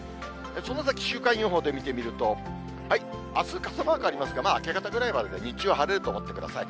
その先、週間予報で見てみると、あす、傘マークありますが、まあ明け方ぐらいまでで、日中は晴れると思ってください。